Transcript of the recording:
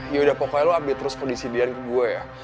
yaudah pokoknya lo update terus kondisi deyan ke gue ya